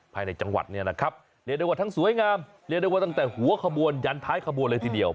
ภายในจังหวัดนี่นะครับฤดวัทธ์ทั้งสวยงามฤดวัทธ์ตั้งแต่หัวขบวนย้านท้ายขบวนเลยทีเดียว